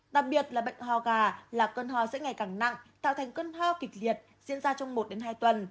đặc biệt là bệnh hò gà là cơn hò sẽ ngày càng nặng tạo thành cơn hò kịch liệt diễn ra trong một hai tuần